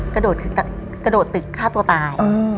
กระโดดคือกระโดดตึกฆ่าตัวตาย